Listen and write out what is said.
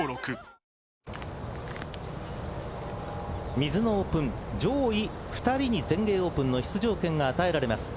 ミズノオープン、上位２人に全英オープンの出場権が与えられます。